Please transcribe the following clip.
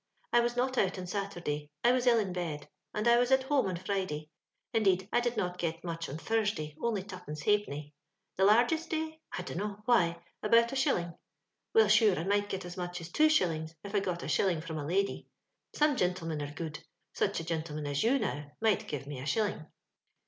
I was not out on Saturday ; I was ill in bed, and I was at home on Friday. In deed, I did not get much on Thursday, only tuppence ha'penny. The largest day? I dunno. Why, about a shilling. Well, sure, I might git as much as two shillings, iif I got a shUlin' from a lady. Some ginUemen are good — such a ginUeman as you, now, might give me a shilling.